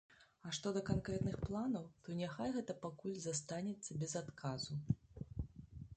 А што да канкрэтных планаў, то няхай гэта пакуль застанецца без адказу.